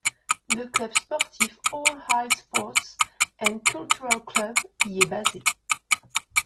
Le club sportif Al Hidd Sports and Cultural Club y est basé.